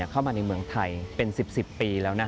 เข้ามาในเมืองไทยเป็น๑๐ปีแล้ว